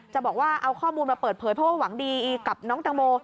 บอกว่าเอาข้อมูลมาเปิดเผยเพราะว่าหวังดีกับน้องแตงโม